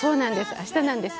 あしたなんです。